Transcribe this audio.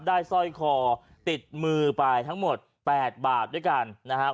สร้อยคอติดมือไปทั้งหมด๘บาทด้วยกันนะครับ